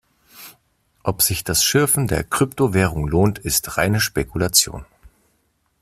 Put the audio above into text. Ob sich das Schürfen der Kryptowährung lohnt, ist reine Spekulation.